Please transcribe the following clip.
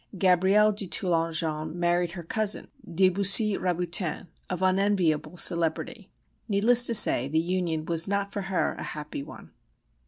[B]Gabrielle de Toulonjon married her cousin, de Bussy Rabutin, of unenviable celebrity. Needless to say, the union was not for her a happy one.